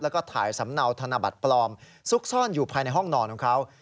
แล้วก็ถ่ายสำเนาธนบัตรปลอมซุกซ่อนอยู่ภายในห้องนอนของเขา